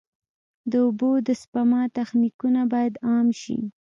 د اوبو د سپما تخنیکونه باید عام شي.